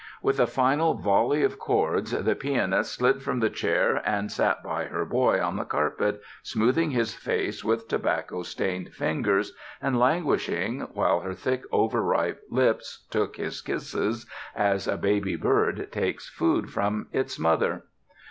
With a final volley of chords, the pianist slid from the chair, and sat by her boy on the carpet, smoothing his face with tobacco stained fingers, and languishing, while her thick, over ripe lips took his kisses as a baby bird takes food from its mother.